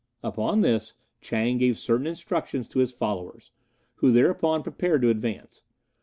Upon this Chang gave certain instructions to his followers, who thereupon prepared to advance.